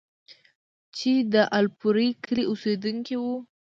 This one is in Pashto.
چې د الپورۍ کلي اوسيدونکی وو،